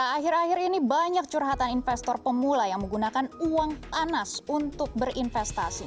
akhir akhir ini banyak curhatan investor pemula yang menggunakan uang panas untuk berinvestasi